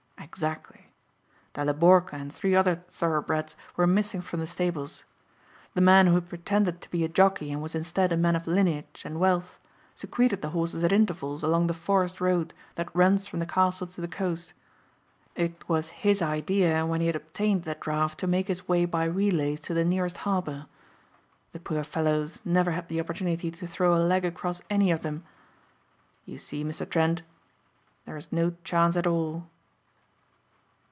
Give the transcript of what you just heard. "Exactly. Daliborka and three other thoroughbreds were missing from the stables. The man who pretended to be a jockey and was instead a man of lineage and wealth secreted the horses at intervals along the forest road that runs from the castle to the coast. It was his idea when he had obtained the draft to make his way by relays to the nearest harbour. The poor fellows never had the opportunity to throw a leg across any of them. You see, Mr. Trent, there is no chance at all."